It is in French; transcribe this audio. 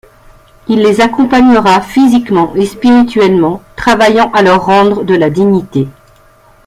Il les accompagnera physiquement et spirituellement, travaillant à leur rendre de la dignité.